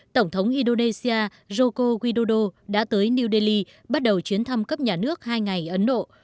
tổng thống indonesia joko widodo đã tới new delhi bắt đầu chuyến thăm cấp nhà nước hai ngày ấn độ